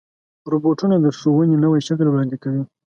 روبوټونه د ښوونې نوی شکل وړاندې کوي.